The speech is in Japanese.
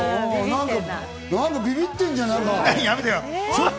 何か、ビビってんじゃないか？